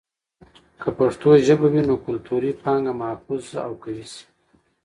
که پښتو ژبه وي، نو کلتوري پانګه محفوظ او قوي شي.